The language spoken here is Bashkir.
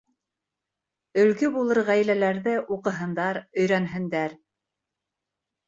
Өлгө булыр ғаиләләрҙе Уҡыһындар, өйрәнһендәр.